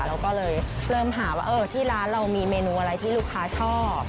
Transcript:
เราก็เลยเริ่มหาว่าที่ร้านเรามีเมนูอะไรที่ลูกค้าชอบ